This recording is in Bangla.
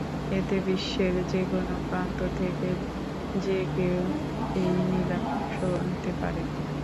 এতে বিশ্বের যে কোন প্রান্ত থেকে যে কেউ এই নিলামে অংশ নিতে পারে।